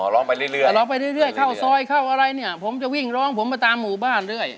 ร้องไปเรื่อยร้องไปเรื่อยเข้าซอยเข้าอะไรเนี่ยผมจะวิ่งร้องผมไปตามหมู่บ้านเรื่อย